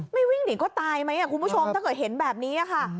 วิ่งหนีก็ตายไหมคุณผู้ชมถ้าเกิดเห็นแบบนี้ค่ะ